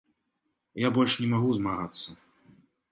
Я больш не магу змагацца.